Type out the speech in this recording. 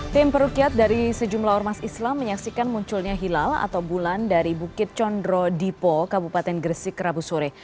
tim perukiat dari sejumlah ormas islam menyaksikan munculnya hilal atau bulan dari bukit condro dipo kabupaten gresik rabu sore